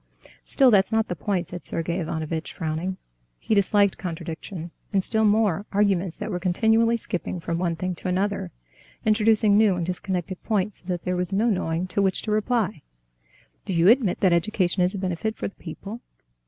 "Still, that's not the point," said Sergey Ivanovitch, frowning. He disliked contradiction, and still more, arguments that were continually skipping from one thing to another, introducing new and disconnected points, so that there was no knowing to which to reply. "Do you admit that education is a benefit for the people?"